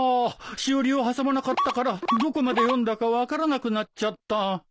しおりを挟まなかったからどこまで読んだか分からなくなっちゃった。